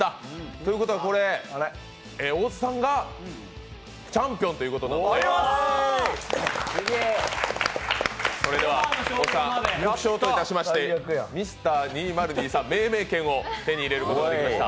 ということは、これ、大津さんがチャンピオンということなのでそれでは大津さん賞といたしましてＭｒ．２０２３、命名権を手に入れることができました。